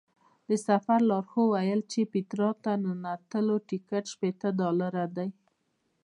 د سفر لارښود وویل چې پیترا ته د ننوتلو ټکټ شپېته ډالره دی.